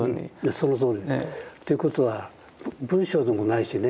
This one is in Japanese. そのとおり。ということは文章でもないしね。